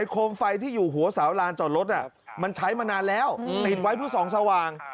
โคมไฟที่อยู่หัวสาวลานจอดรถมันใช้มานานแล้วติดไว้เพื่อส่องสว่าง